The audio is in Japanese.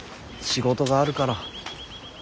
仕事があるから。